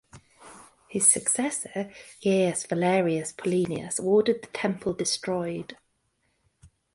His successor Gaius Valerius Paulinus ordered the temple destroyed.